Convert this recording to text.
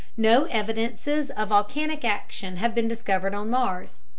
No evidences of volcanic action have been discovered on Mars.